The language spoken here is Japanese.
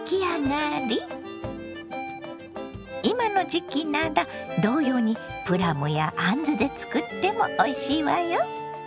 今の時期なら同様にプラムやあんずで作ってもおいしいわよ。